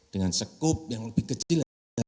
dengan sekup yang lebih kecil